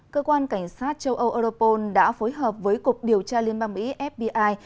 cơ quan cảnh sát châu âu europol đã phối hợp với cục điều tra liên bang mỹ fbi